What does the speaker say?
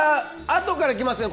あとから来ますね